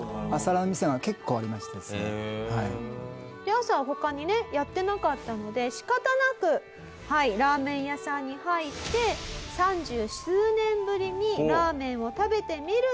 朝は他にねやってなかったので仕方なくラーメン屋さんに入って三十数年ぶりにラーメンを食べてみると。